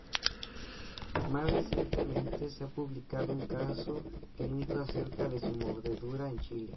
Más recientemente se ha publicado un caso clínico acerca de su mordedura en Chile.